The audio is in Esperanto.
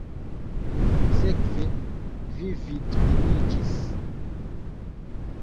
Sekve vi vidviniĝis!